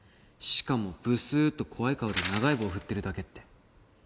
しかもぶすーっと怖い顔で長い棒振ってるだけって。